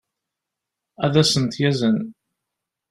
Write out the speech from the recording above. ad as-ten-yazen